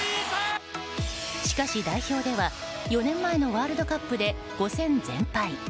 しかし、代表では４年前のワールドカップで５戦全敗。